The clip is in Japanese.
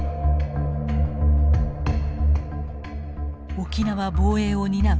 沖縄防衛を担う